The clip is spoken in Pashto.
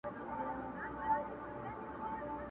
چي كتل يې زما تېره تېره غاښونه.!